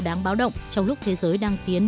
đáng báo động trong lúc thế giới đang tiến